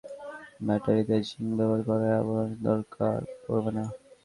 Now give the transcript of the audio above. তবে ইমপ্রিন্ট এনার্জির তৈরি ব্যাটারিতে জিংক ব্যবহার করায় আবরণের দরকার পড়বে না।